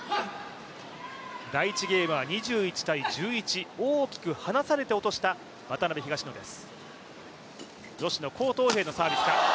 第１ゲームは２１−１１、大きく離されて落とした渡辺・東野です。